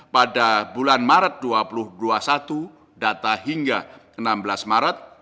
pada bulan maret dua ribu dua puluh satu data hingga enam belas maret